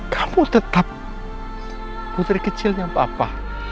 kamu tetap putri kecilnya papa